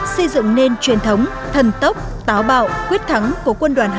xây dựng nên truyền thống thần tốc táo bạo quyết thắng của quân đoàn hai anh hùng